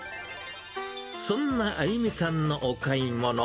そんなあゆみさんのお買い物。